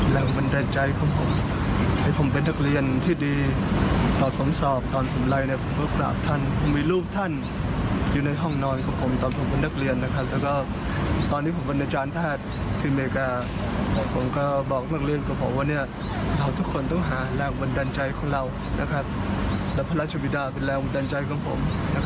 และพระราชวิดาเป็นแรงบันดันใจของผม